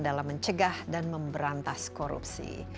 dalam mencegah dan memberantas korupsi